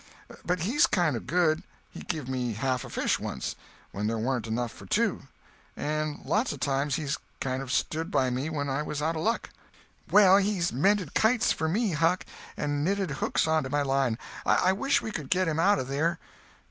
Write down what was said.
But he's kind of good—he give me half a fish, once, when there warn't enough for two; and lots of times he's kind of stood by me when I was out of luck." "Well, he's mended kites for me, Huck, and knitted hooks on to my line. I wish we could get him out of there."